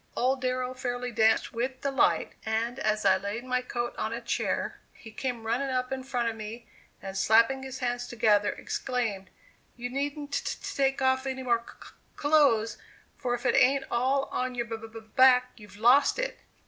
Old Darrow fairly danced with delight, and as I laid my coat on a chair he came running up in front of me, and slapping his hands together, exclaimed: "You needn't t t take off any more c c c clothes, for if it ain't all on your b b back, you've lost it."